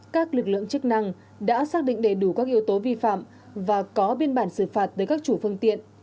các lực lượng chức năng đã xác định đầy đủ các yếu tố vi phạm và có biên bản xử phạt tới các chủ phương tiện